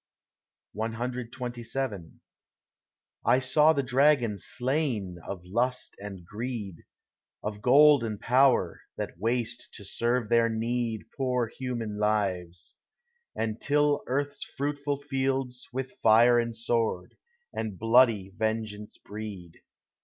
CXXVII I saw the dragons slain of lust and greed, Of gold and power, that waste to serve their need Poor human lives; and till earth's fruitful fields With fire and sword, and bloody vengeance breed.